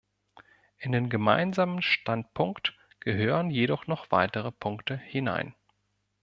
In den Gemeinsamen Standpunkt gehören jedoch noch weitere Punkte hinein.